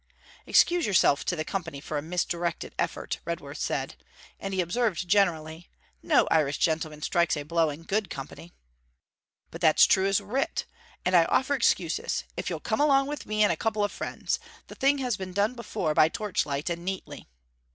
'Excuse yourself to the company for a misdirected effort,' Redworth said; and he observed generally: 'No Irish gentleman strikes a blow in good company.' 'But that's true as Writ! And I offer excuses if you'll come along with me and a couple of friends. The thing has been done before by torchlight and neatly.'